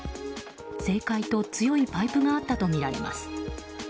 政界と強いパイプがあったとみられます。